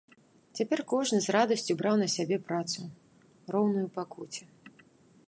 Цяпер кожны з радасцю браў на сябе працу, роўную пакуце.